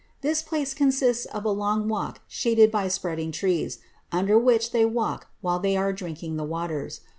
This place consbts of a long walk shaded by spreading trees, ooder which they walk while they are drinking the waters.